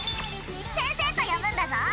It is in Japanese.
先生と呼ぶんだぞ！